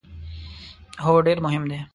هو، ډیر مهم ده